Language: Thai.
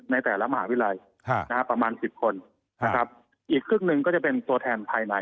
ในแต่ละมหาวิรัยประมาณ๑๐คนอีกครึ่งนึงก็จะเป็นตัวแทนภายใน